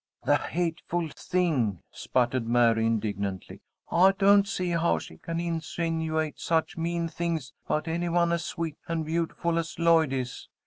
"The hateful thing!" sputtered Mary, indignantly. "I don't see how she can insinuate such mean things about any one as sweet and beautiful as Lloyd is."